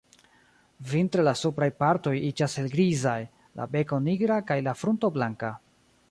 Vintre la supraj partoj iĝas helgrizaj, la beko nigra kaj la frunto blanka.